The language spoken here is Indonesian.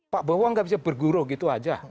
pak bowo nggak bisa berguru gitu aja